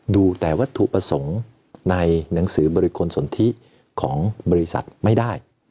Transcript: ดูแต่วัตถุประสงค์ในหนังสือบริคลสนทิของบริษัทไม่ได้